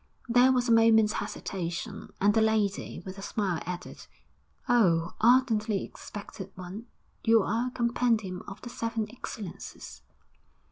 There was a moment's hesitation, and the lady, with a smile, added, 'Oh, ardently expected one, you are a compendium of the seven excellences!'